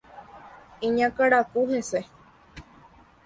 Iñakãraku hese.